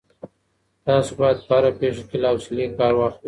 تاسو باید په هره پېښه کي له حوصلې کار واخلئ.